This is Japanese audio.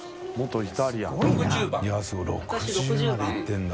僑鞍屐すごい６０までいってるんだ。